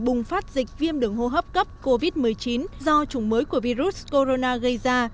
bùng phát dịch viêm đường hô hấp cấp covid một mươi chín do chủng mới của virus corona gây ra